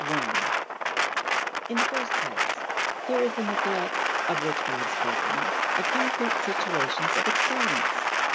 (I) In the first place, there is the neglect (of which we have spoken) of concrete situations of experience.